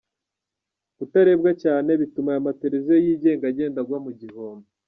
Kutarebwa cyane bituma aya mateleviziyo yigenga agenda agwa mu gihombo.